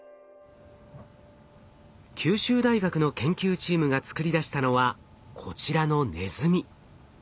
九州大学の研究チームが作り出したのはこちらのネズミ。